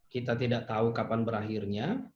kita tidak tahu kapan berakhirnya